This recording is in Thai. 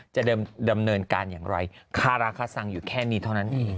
จะดำเนินการอย่างไรคาราคาซังอยู่แค่นี้เท่านั้นเอง